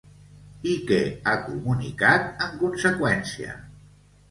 I què ha comunicat, en conseqüència?